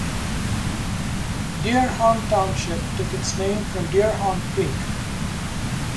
Deerhorn Township took its name from Deerhorn Creek.